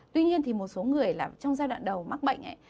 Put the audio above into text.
tuy nhiên thì một số người là trong giai đoạn đầu mắc bệnh